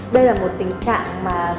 đây là một loại sai khớp cắn sâu